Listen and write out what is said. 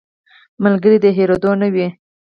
ملګری د هېرېدو نه وي